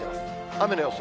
雨の予想。